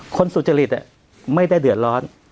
สุจริตไม่ได้เดือดร้อน